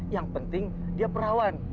yang penting dia perawan